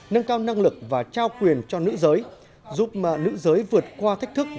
nâng cao năng lực và trao quyền cho nữ giới giúp nữ giới vượt qua thách thức